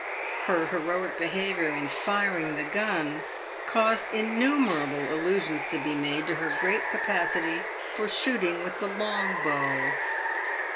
Her heroic behaviour in firing the gun caused in numerable allusions to be made to her great capacity for shooting with the long bow.